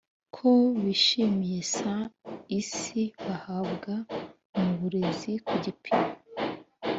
ko bishimiye ser isi bahabwa mu burezi ku gipimo